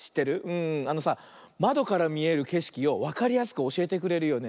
あのさまどからみえるけしきをわかりやすくおしえてくれるよね。